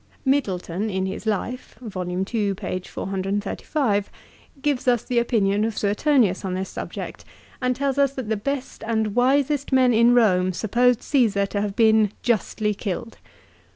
Middleton in his life (Vol. ii., p. 435) gives us the opinion of Suetonius on this subject and tells us that the best and wisest men in Rome supposed Caesar to have been justly killed.